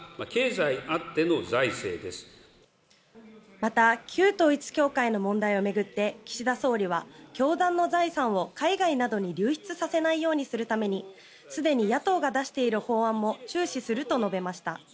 また旧統一教会の問題を巡って岸田総理は教団の財産を海外などに流出させないようにするためにすでに野党が出している法案も注視すると述べました。